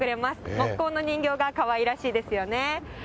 木工の人形がかわいらしいですよね。